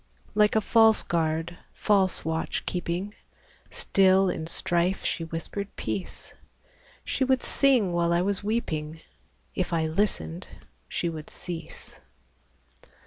Like a false guard, false watch keeping, Still, in strife, she whispered peace; She would sing while I was weeping; If I listened, she would cease.